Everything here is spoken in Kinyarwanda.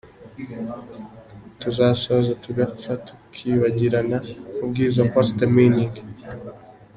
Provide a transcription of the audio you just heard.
Turasaza tugapfa tukibagirana ubwiza what’s the meaning???.